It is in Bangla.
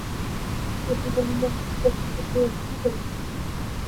শশী বলিল, গোছাসুদ্ধ রেখে কী করবি?